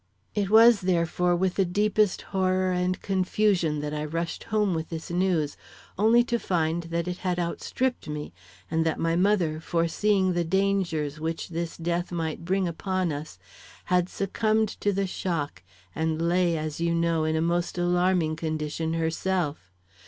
It was, therefore, with the deepest horror and confusion that I rushed home with this news, only to find that it had outstripped me, and that my mother, foreseeing the dangers which this death might bring upon us, had succumbed to the shock, and lay, as you know, in a most alarming condition herself.